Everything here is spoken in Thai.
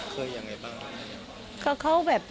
เคยอย่างไรบ้าง